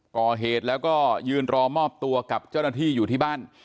ก่อเหตุแล้วก็ยืนรอมอบตัวกับเจ้าหน้าที่อยู่ที่บ้าน